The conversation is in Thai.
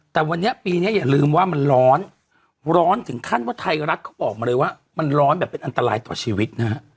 แต่วันนี้ปีนี้อย่าลืมว่ามันร้อนร้อนถึงขั้นว่าไทยรัฐเขาบอกมาเลยว่ามันร้อนแบบเป็นอันตรายต่อชีวิตนะฮะ